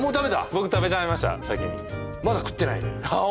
僕食べちゃいました先にまだ食ってないのよああ